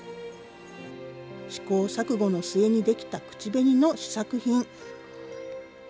試行錯誤の末に出来た口紅の試作品。